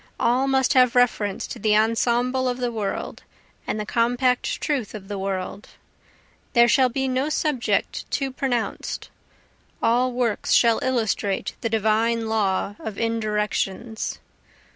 All must have reference to the ensemble of the world, and the compact truth of the world, There shall be no subject too pronounced all works shall illustrate the divine law of indirections.